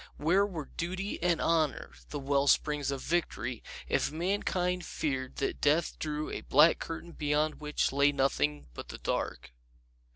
Where were Duty and Honor, the well springs of Victory, if mankind feared that death drew a black curtain behind which lay nothing but the dark?